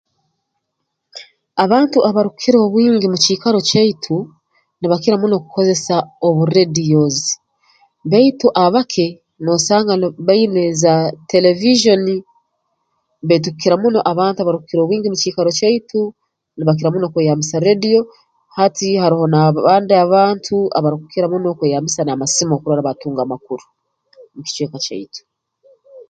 Abantu abarukukira obwingi mu kiikaro kyaitu nibakira muno kukozesa obu rreediyozi baitu abake noosanga nn baine za televizyoni baitu kukira muno abantu abarukukira obwingi mu kiikaro kyaitu nibakira muno kweyambisa rrediyo hati haroho n'abandi abantu abarukukira muno kweyambisa n'amasimu okurora baatunga amakuru mu kicweka kyaitu